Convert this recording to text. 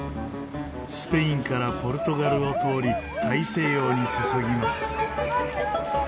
スペインからポルトガルを通り大西洋に注ぎます。